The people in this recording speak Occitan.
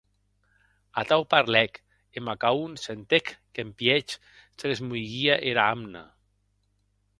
Atau parlèc, e Macaon sentec qu’en pièch se l’esmoiguie era amna.